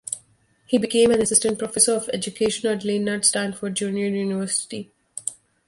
He became an assistant professor of education at Leland Stanford Junior University.